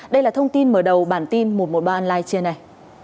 đây là thông tin mở đầu bản tin một trăm một mươi ba online trưa này